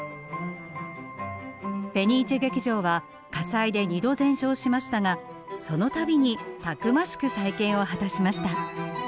フェニーチェ劇場は火災で２度全焼しましたがその度にたくましく再建を果たしました。